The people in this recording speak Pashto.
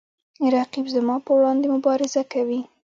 رقیب زما په وړاندې مبارزه کوي